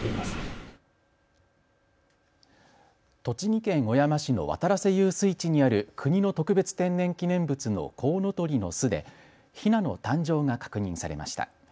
栃木県小山市の渡良瀬遊水地にある国の特別天然記念物のコウノトリの巣でヒナの誕生が確認されました。